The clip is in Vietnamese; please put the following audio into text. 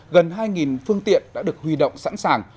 gần hai phương tiện đã được huy động sẵn sàng